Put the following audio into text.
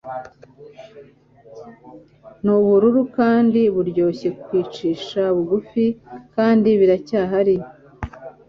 Nubururu kandi buryoshye kwicisha bugufi kandi biracyahari